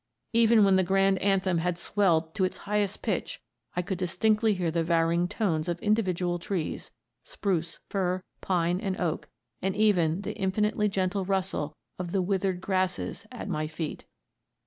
"Even when the grand anthem had swelled to its highest pitch I could distinctly hear the varying tones of individual trees spruce, fir, pine, and oak and even the infinitely gentle rustle of the withered grasses at my feet."